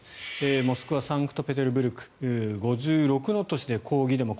モスクワ、サンクトペテルブルク５６の都市で抗議デモ。